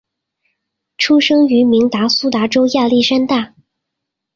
出生于明尼苏达州亚历山大。